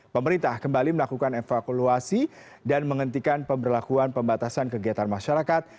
pemerintah kembali melakukan evakuasi dan menghentikan pemberlakuan pembatasan kegiatan masyarakat